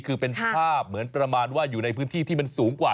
คือเป็นภาพเหมือนประมาณว่าอยู่ในพื้นที่ที่มันสูงกว่า